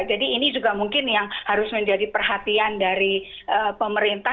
jadi ini juga mungkin yang harus menjadi perhatian dari pemerintah